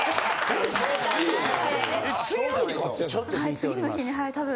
次の日に多分。